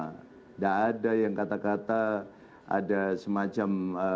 tidak ada yang kata kata ada semacam